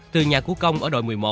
từ nhà của công ở đội một mươi một